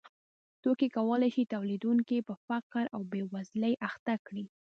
توکي کولای شي تولیدونکی په فقر او بېوزلۍ اخته کړي